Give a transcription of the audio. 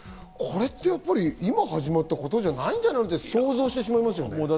これって、やっぱり今始まったことじゃないんじゃないって想像してしまう。